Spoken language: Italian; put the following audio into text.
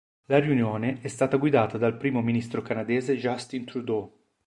La riunione è stata guidata dal Primo Ministro canadese Justin Trudeau.